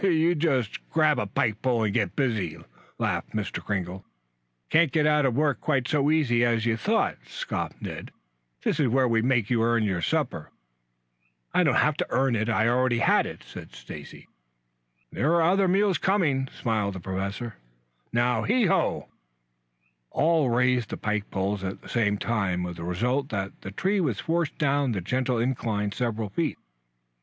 "You just grab a pike pole and get busy!" laughed Mr. Kringle. "Can't get out of work quite so easy as you thought," scoffed Ned. "This is where we make you earn your supper." "I don't have to earn it. Had it already." "There are other meals coming," smiled the Professor. "Now, heo he!" All raised on the pike poles at the same time with the result that the tree was forced down the gentle incline several feet.